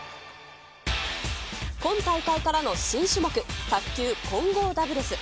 今大会からの新種目、卓球混合ダブルス。